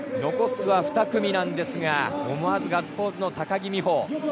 残すは２組なんですが思わずガッツポーズの高木美帆。